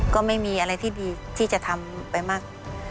ก็ไม่มีอะไรที่ดีที่จะทำไปมาก